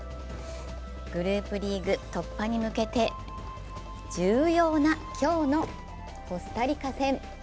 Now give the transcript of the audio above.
グループリーグ突破に向けて重要な今日のコスタリカ戦。